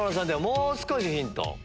もう少しヒントを。